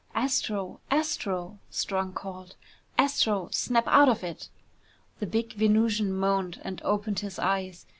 "Astro, Astro " Strong called. "Astro, snap out of it!" The big Venusian moaned and opened his eyes.